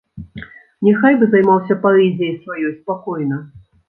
Няхай бы займаўся паэзіяй сваёй спакойна.